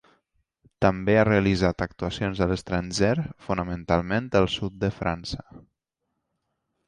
També ha realitzat actuacions a l'estranger fonamentalment al sud de França.